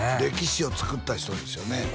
歴史をつくった人ですよね